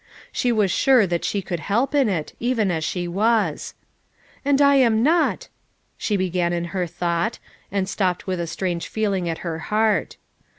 She was sure that she could help in it, even as she was. "And I am not—" she began in her thought, and stopped with a strange feeling at her heart.